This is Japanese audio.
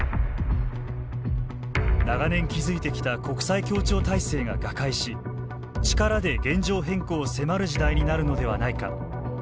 長年築いてきた国際協調体制が瓦解し力で現状変更を迫る時代になるのではないか。